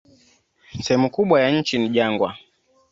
Sehemu kubwa ya nchi ni jangwa.